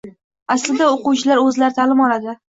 Aslida, o‘quvchilar o‘zlari ta’lim oladi.